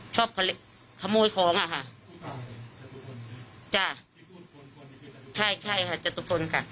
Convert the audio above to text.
ชอบขโมยของอ่ะค่ะจ้ะใช่ใช่ค่ะจตุพลค่ะ